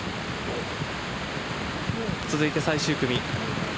続いて最終組。